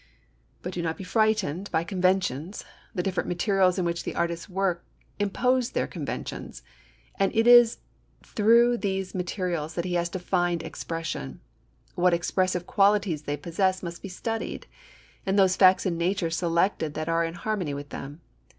But do not be frightened by conventions, the different materials in which the artist works impose their conventions. And as it is through these materials that he has to find expression, what expressive qualities they possess must be studied, and those facts in nature selected that are in harmony with them.